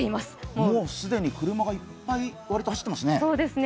もう既に車がいっぱい走っていますね。